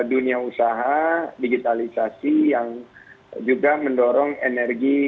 serta ini baru saja akan terbatas dalam base innovation summit